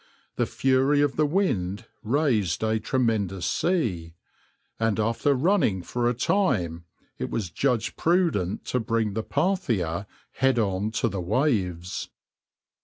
The fury of the wind raised a tremendous sea, and after running for a time, it was judged prudent to bring the {\itshape{Parthia}} head on to the waves.